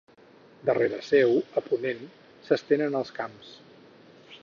Darrere seu, a ponent, s'estenen els camps.